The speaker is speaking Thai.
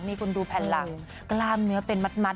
นี่คุณดูแผ่นหลังกล้ามเนื้อเป็นมัด